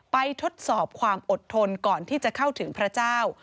ทดสอบความอดทนก่อนที่จะเข้าถึงพระเจ้า